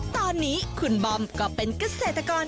ตอนนี้คุณบอมก็เป็นเกษตรกร